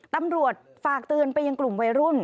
ตำรวจฝากเตือนไปยังกลุ่มวัยรุ่น